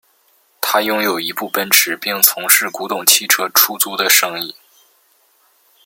他拥有一部奔驰并从事古董汽车出租的生意。